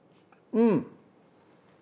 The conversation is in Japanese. うん。